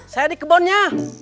saya di kebunnya